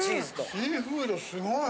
シーフードすごい。